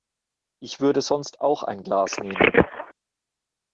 Ich würde sonst auch ein Glas nehmen.